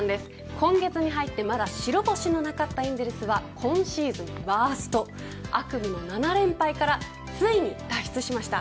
今月に入ってまだ白星のなかったエンゼルスは今シーズンワースト悪夢の７連敗からついに脱出しました。